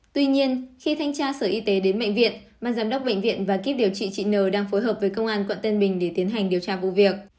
tuy nhiên khi thanh tra sở y tế đến bệnh viện ban giám đốc bệnh viện và kíp điều trị chị n đang phối hợp với công an quận tân bình để tiến hành điều tra vụ việc